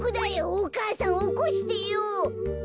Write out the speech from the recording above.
お母さんおこしてよ。